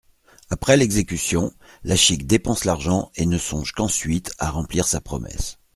Après l'exécution, La Chique dépense l'argent et ne songe qu'ensuite à remplir sa promesse.